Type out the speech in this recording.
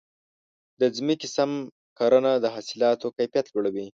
د ځمکې سم کرنه د حاصلاتو کیفیت لوړوي.